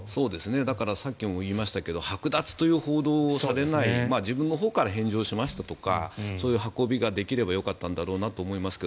だからさっきも言いましたがはく奪という報道をされない自分のほうから返上しましたとかそういう運びができたらよかったんだろうなと思いますが。